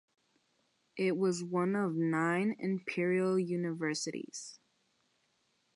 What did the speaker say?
It was one of nine Imperial Universities.